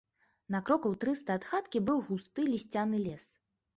На крокаў трыста ад хаткі быў густы лісцяны лес.